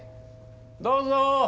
どうぞ！